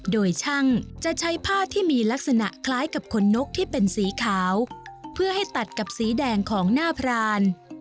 โดยช่างจะใช้ผ้าที่มีลักษณะคล้ายกับคนนกที่เป็นสีขาวเพื่อให้ตัดกับสีแดงของหน้าพราน